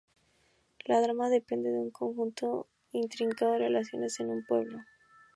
La drama depende de un conjunto intrincado de relaciones en un pueblo.